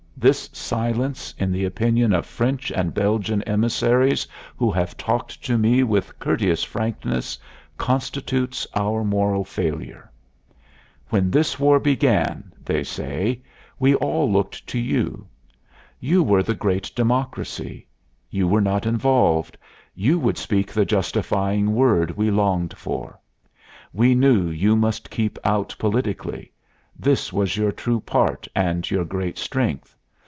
This silence, in the opinion of French and Belgian emissaries who have talked to me with courteous frankness, constitutes our moral failure. "When this war began" they say "we all looked to you. You were the great Democracy; you were not involved; you would speak the justifying word we longed for. We knew you must keep out politically; this was your true part and your great strength.